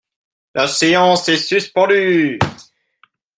La séance est suspendue.